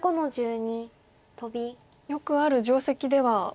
よくある定石では黒。